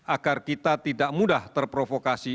agar kita tidak mudah terprovokasi